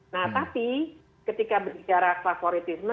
nah tapi ketika berbicara favoritisme